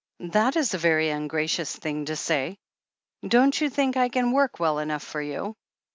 "That is a very ungracious thing to say. Don't you think I can work well enough for you?"